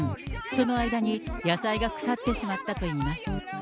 その間に野菜が腐ってしまったといいます。